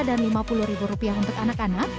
dan lima puluh rupiah untuk anak anak